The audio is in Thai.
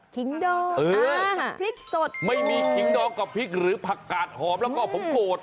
ขิงดองเออพริกสดไม่มีขิงดองกับพริกหรือผักกาดหอมแล้วก็ผงโกด